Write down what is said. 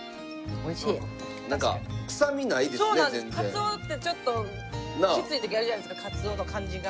カツオってちょっときつい時あるじゃないですかカツオの感じが。